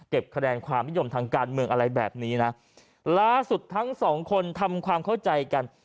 คะแนนความนิยมทางการเมืองอะไรแบบนี้นะล่าสุดทั้งสองคนทำความเข้าใจกัน